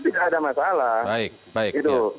tidak ada masalah baik baik